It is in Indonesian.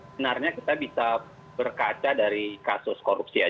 sebenarnya kita bisa berkaca dari kasus korupsi